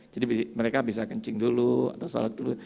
jadi mereka bisa kencing dulu atau solat dulu